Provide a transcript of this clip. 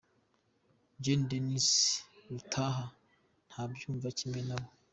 Gen. Denis Rutaha, ntabyumva kimwe na bo.